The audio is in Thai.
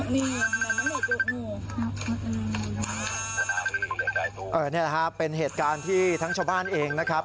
นี่แหละครับเป็นเหตุการณ์ที่ทั้งชาวบ้านเองนะครับ